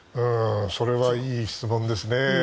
それはいい質問ですね。